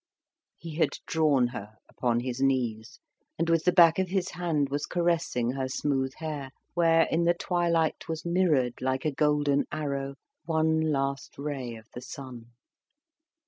He had drawn her upon his knees, and with the back of his hand was caressing her smooth hair, where in the twilight was mirrored like a golden arrow one last ray of the sun.